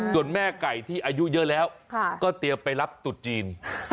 ส่วนแม่ไก่ที่อายุเยอะแล้วก็เตรียมไปรับตุดจีน